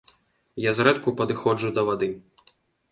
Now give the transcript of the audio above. Я зрэдку падыходжу да вады.